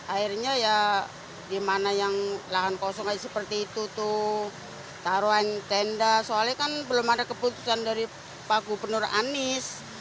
akhirnya ya di mana yang lahan kosong seperti itu tuh taruhan tenda soalnya kan belum ada keputusan dari pak gubernur anies